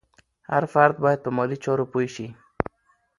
هر فرد باید په مالي چارو پوه شي.